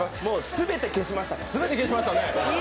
もう全て消しました。